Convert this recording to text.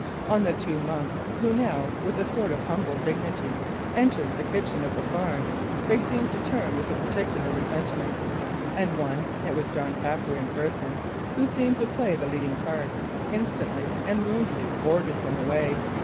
On the two monks, who now, with a sort of humble dignity, entered the kitchen of the farm, they seemed to turn with a particular resentment; and one it was John Capper in person who seemed to play the leading part, instantly and rudely ordered them away.